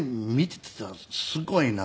すごいな。